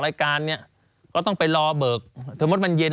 สำหรับสนุนโดยหวานได้ทุกที่ที่มีพาเลส